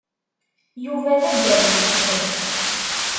Yuba d adderwic.